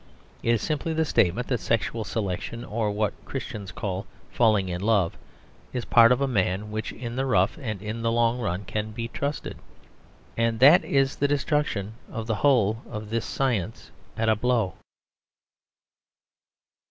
It is simply the statement that sexual selection, or what Christians call falling in love, is a part of man which in the rough and in the long run can be trusted. And that is the destruction of the whole of this science at a blow.